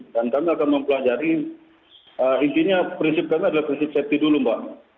dan kami akan mempelajari intinya prinsip kami adalah prinsip safety dulu mbak